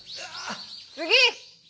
次！